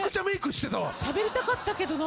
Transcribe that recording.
しゃべりたかったけどな。